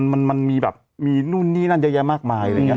มันมีนู่นนี่นั่นเยอะแยะมากมาย